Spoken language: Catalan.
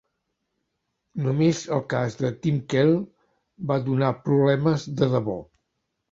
Només el cas de Tim Kell va donar problemes de debò.